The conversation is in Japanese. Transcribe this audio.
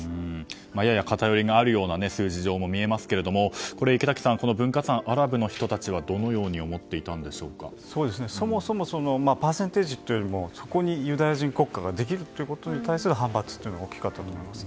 やや偏りがあるような数字上に見えますけど、池滝さん分割案をアラブの人たちはどのようにそもそもパーセンテージよりもそこにユダヤ人国家ができるということに対する反発のほうが大きかったと思います。